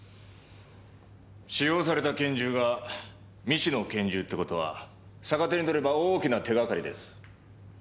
使用された拳銃が未知の拳銃って事は逆手に取れば大きな手がかりです。